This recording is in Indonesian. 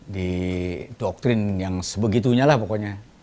di doktrin yang sebegitunya lah pokoknya